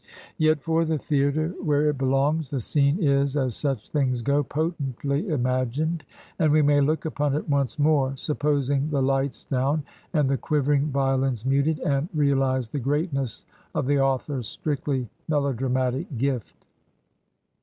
Yet, for the theatre, where it belongs, the scene is, as such things go, potently imagined, and we may look upon it once more, supposing the lights down and the quivering violins muted, and realize the greatness of the author's strictly melodramatic gift.